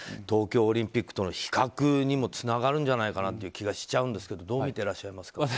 東京オリンピックとの比較にもつながるんじゃないかなという気がしちゃうんですけどどうみていらっしゃいますか。